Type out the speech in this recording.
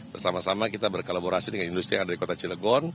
bersama sama kita berkolaborasi dengan industri yang ada di kota cilegon